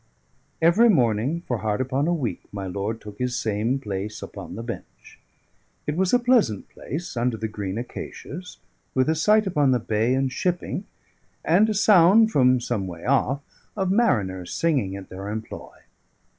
Every morning for hard upon a week my lord took his same place upon the bench. It was a pleasant place, under the green acacias, with a sight upon the bay and shipping, and a sound (from some way off) of mariners singing at their employ.